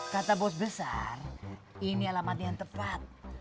kata bos besar ini alamat yang tepat